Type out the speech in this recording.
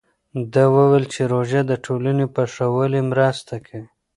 ده وویل چې روژه د ټولنې په ښه والي مرسته کوي.